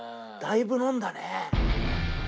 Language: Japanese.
だいぶ飲んだね。